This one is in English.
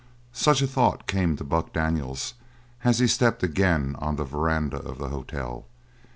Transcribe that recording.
Such a thought came to Buck Daniels as he stepped again on the veranda of the hotel.